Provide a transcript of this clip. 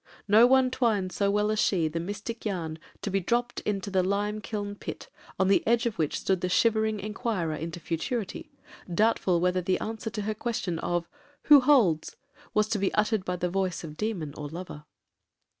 No one twined so well as she the mystic yarn to be dropt into the lime kiln pit, on the edge of which stood the shivering inquirer into futurity, doubtful whether the answer to her question of 'who holds?' was to be uttered by the voice of demon or lover.